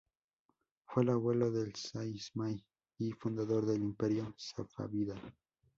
Fue el abuelo del shah Ismail I, fundador del Imperio safávida.